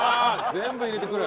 全部入れてくる。